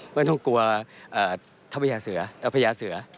ไม่ต้องกลัวพญาเสือ